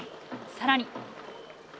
さらに。